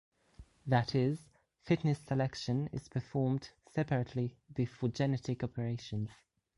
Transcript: That is, fitness selection is performed separately before genetic operations.